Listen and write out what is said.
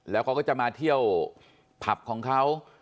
แล้วเขาก็จะมาเที่ยวผับของเขา